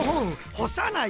ほさない！